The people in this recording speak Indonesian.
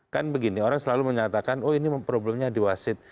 kan begini orang selalu menyatakan oh ini problemnya diwasit